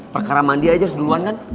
perkara mandi aja duluan kan